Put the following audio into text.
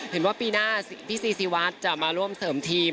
เห็นว่าปีหน้าพี่ซีซีวัดจะมาร่วมเสริมทีม